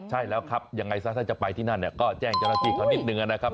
ใช่แล้วครับยังไงซะถ้าจะไปที่นั่นเนี่ยก็แจ้งเจ้าหน้าที่เขานิดนึงนะครับ